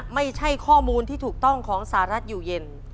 ไม่ใช่ข้อมูลที่ถูกต้องของสหรัฐอยู่เย็น